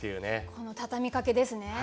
この畳みかけですね。